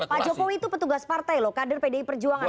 pak jokowi itu petugas partai loh kader pdi perjuangan